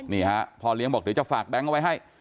นี่ฮะพ่อเลี้ยงบอกเดี๋ยวจะฝากแบงค์เอาไว้ให้